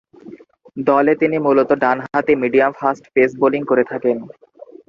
দলে তিনি মূলতঃ ডানহাতি মিডিয়াম-ফাস্ট পেস বোলিং করে থাকেন।